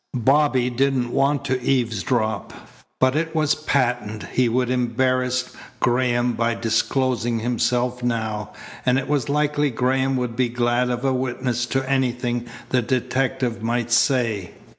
Bobby didn't want to eavesdrop, but it was patent he would embarrass Graham by disclosing himself now, and it was likely Graham would be glad of a witness to anything the detective might say.